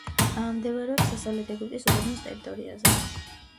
მდებარეობს დასავლეთ ეგვიპტის უდაბნოს ტერიტორიაზე.